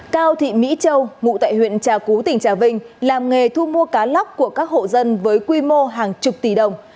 cao thị mỹ châu ngụ tại huyện trà cú tỉnh trà vinh làm nghề thu mua cá lóc của các hộ dân với quy mô hàng chục tỷ đồng